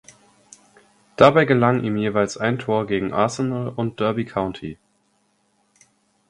Dabei gelang ihm jeweils ein Tor gegen Arsenal und Derby County.